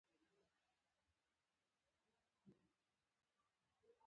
که د کار ویش نه وي د توکو تولید نشته.